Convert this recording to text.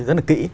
rất là kỹ